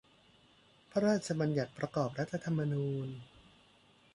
พระราชบัญญัติประกอบรัฐธรรมนูญ